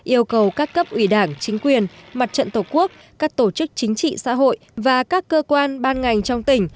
yêu cầu các cấp ủy đảng chính quyền mặt trận tổ quốc các tổ chức chính trị xã hội và các cơ quan ban ngành trong tỉnh